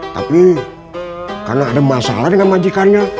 tapi karena ada masalah dengan majikannya